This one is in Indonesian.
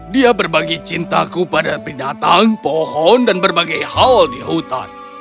dia berbagi cintaku pada binatang pohon dan berbagai hal di hutan